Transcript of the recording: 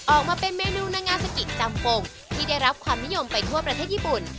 ออกมาเป็นเมนูนางาสกิดจำปงที่ได้รับความนิยมไปทั่วประเทศญี่ปุ่น